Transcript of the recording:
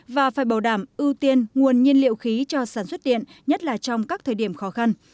và phải bảo đảm ưu tiên nguồn nhiên liệu khí cho sản xuất điện nhất là trong các thời điểm khó khăn